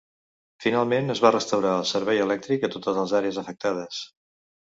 Finalment es va restaurar el servei elèctric a totes les àrees afectades.